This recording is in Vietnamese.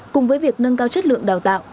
cùng với việc nâng cao chất lượng đào tạo